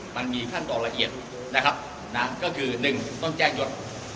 มันมีขั้นต่อละเอียดก็คือหนึ่งต้องแจ้งยศ